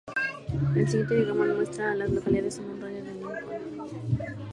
El siguiente diagrama muestra a las localidades en un radio de de Lincoln.